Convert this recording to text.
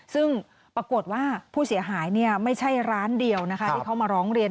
ซึ่งปรากฏว่าผู้เสียหายไม่ใช่ร้านเดียวนะคะที่เขามาร้องเรียน